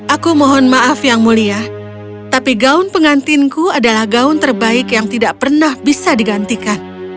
aku mohon maaf yang mulia tapi gaun pengantinku adalah gaun terbaik yang tidak pernah bisa digantikan